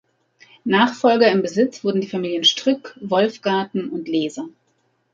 Nachfolger im Besitz wurden die Familien Stryck, Wolfgarten und Leser.